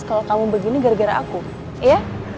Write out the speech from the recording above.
kalau kamu begini gara gara aku ya